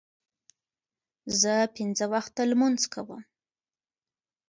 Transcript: زه پنځه وخته لمونځ کوم.